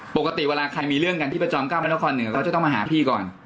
ปกติเวลาใครมีเรื่องกันที่ประจอม๙พระนครเหนือเขาจะต้องมาหาพี่ก่อน